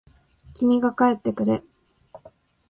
君が帰ってくれ。